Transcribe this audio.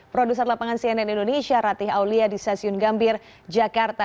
produser lapangan cnn indonesia ratih aulia di stasiun gambir jakarta